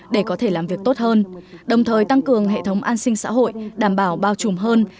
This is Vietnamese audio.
để có thể làm việc tốt hơn đồng thời tăng cường hệ thống an sinh xã hội đảm bảo bao trùm hơn